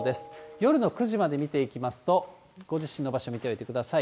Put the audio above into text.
夜の９時まで見ていきますと、ご自身の場所見ておいてください。